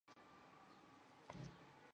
经营一间小店